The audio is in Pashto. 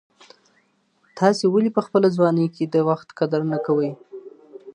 تاسي ولي په خپله ځواني کي د وخت قدر نه کوئ؟